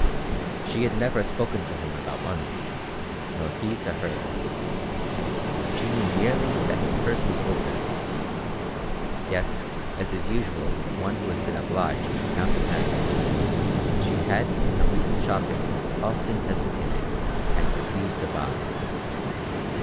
She had never spoken to him about money, nor he to her; she knew merely that his purse was open; yet, as is usual with one who has been obliged to count the pennies, she had in her recent shopping often hesitated and refused to buy.